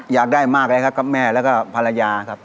อยากได้มากเลยครับกับแม่แล้วก็ภรรยาครับ